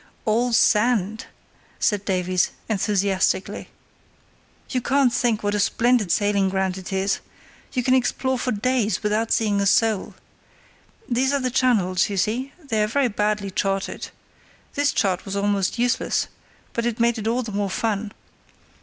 "All sand," said Davies, enthusiastically. "You can't think what a splendid sailing ground it is. You can explore for days without seeing a soul. These are the channels, you see; they're very badly charted. This chart was almost useless, but it made it all the more fun.